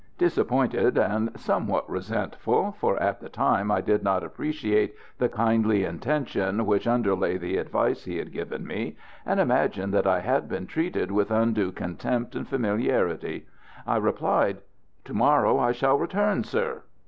Disappointed and somewhat resentful, for at the time I did not appreciate the kindly intention which underlay the advice he had given me, and imagined that I had been treated with undue contempt and familiarity, I replied: "To morrow I shall return, sir!"